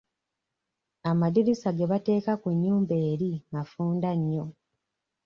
Amaddirisa ge bateeka ku nnyumba eri mafunda nnyo.